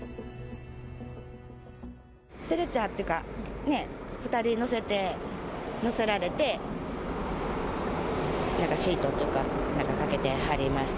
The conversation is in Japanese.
ストレッチャーっていうか、ね、２人乗せて、乗せられて、なんかシートっていうか、なんかかけてはりました。